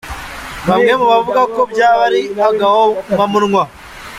Bamwe bavuga ko byaba ari agahomamunwa.